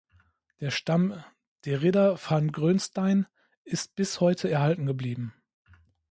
Der Stamm "de Ridder van Groensteijn" ist bis heute erhalten geblieben.